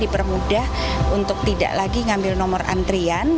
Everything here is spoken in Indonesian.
dipermudah untuk tidak lagi ngambil nomor antrian